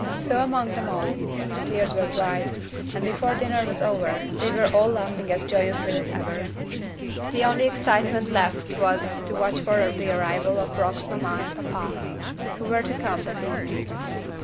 So among them all, the tears were dried; and before dinner was over, they were all laughing as joyously as ever. The only excitement left was to watch for the arrival of Rock's papa and mamma, who were to come that evening.